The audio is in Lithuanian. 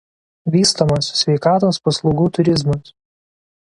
Vystomas sveikatos paslaugų turizmas.